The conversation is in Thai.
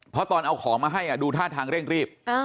เพราะตอนเอาของมาให้ดูท่าทางเร่งรีบ